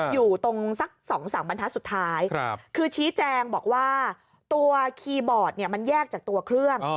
อยู่ตรงสัก๒๓บรรทัศน์สุดท้ายคือชี้แจงบอกว่าตัวคีย์บอร์ดเนี่ยมันแยกจากตัวเครื่อง